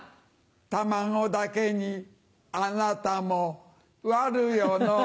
卵だけにあなたもワルよのぅ。